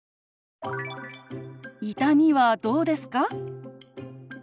「痛みはどうですか？」。